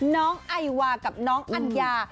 น้องไอวากับน้องอัญญา